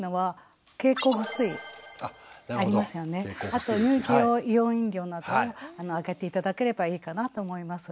あと乳児用イオン飲料などをあげて頂ければいいかなと思います。